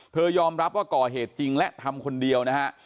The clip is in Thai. ยอมรับว่าก่อเหตุจริงและทำคนเดียวนะฮะ